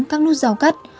các nút giao cắt